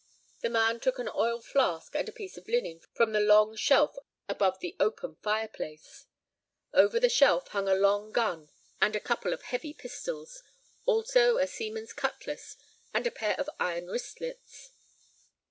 The man took an oil flask and a piece of linen from the long shelf above the open fireplace. Over the shelf hung a long gun and a couple of heavy pistols, also a seaman's cutlass and a pair of iron wristlets.